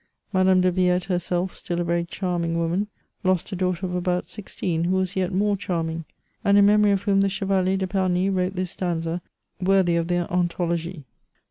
Ma dame de Villette, herself still a very charming woman, lost a daughter of about sixteen, who was yet more charming, and in memory of whom the Chevalier de Pamy wrote this stanza, worthy of the " Anthologie .